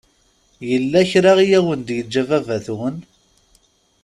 Yella kra i awen-d-yeǧǧa baba-twen?